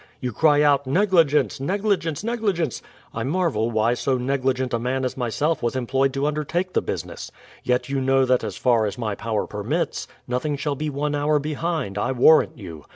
You cry out, Negligence, negligence, negligence: I marvel why so negligent THE PLYINIOUTH SETTLEINIENT 47 a man as myself was employed to undertake the business. Yet you know that as far as my power permits, nothing shall be one hour behind, I warrant you.